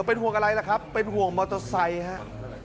เป็นห่วงอะไรล่ะครับเป็นห่วงมอเตอร์ไซค์ครับ